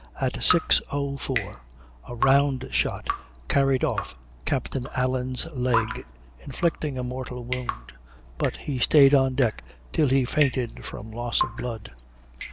04 a round shot carried off Captain Allen's leg, inflicting a mortal wound, but he stayed on deck till he fainted from loss of blood.